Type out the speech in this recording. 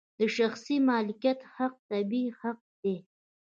د شخصي مالکیت حق طبیعي حق دی.